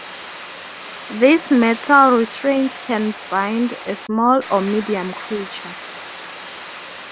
These metal restraints can bind a Small or Medium creature.